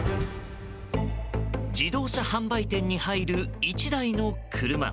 自動車販売店に入る１台の車。